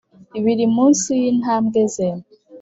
biri munsi yintambwe, ze